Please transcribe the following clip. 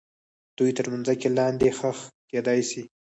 دوی تر مځکې لاندې ښخ کیدای سي.